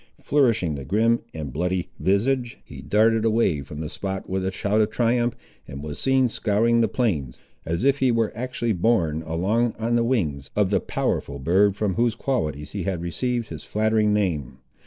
Flourishing the grim and bloody visage, he darted away from the spot with a shout of triumph, and was seen scouring the plains, as if he were actually borne along on the wings of the powerful bird from whose qualities he had received his flattering name.